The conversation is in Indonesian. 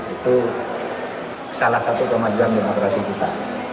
itu salah satu kemajuan demokrasi kita